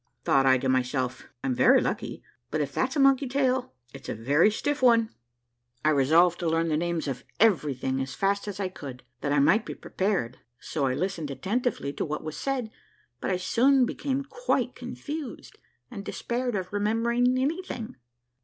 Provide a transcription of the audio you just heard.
Thought I to myself, I'm very lucky, but if that's a monkey's tail it's a very stiff one! I resolved to learn the names of every thing as fast as I could, that I might be prepared, so I listened attentively to what was said; but I soon became quite confused, and despaired of remembering anything.